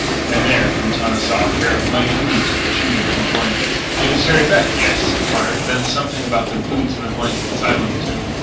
And there Quintana saw a pair of muddy boots protruding from a blanket. "It is Harry Beck, yes?" he inquired. Then something about the boots and the blanket silenced him.